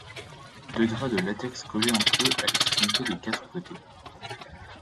Deux draps de latex collés entre eux à l'extrémité des quatre côtés.